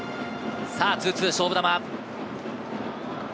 ２‐２、勝負球。